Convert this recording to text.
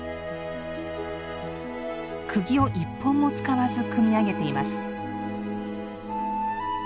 釘を一本も使わず組み上げています。